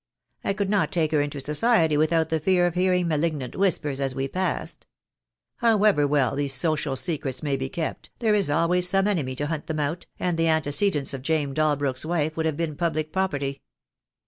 I could not take her into society without the fear of hearing malignant whispers as we passed. However well these social secrets may be kept, there is always some enemy to hunt them out, and the antecedents of James Dalbrook's wife would have been public property.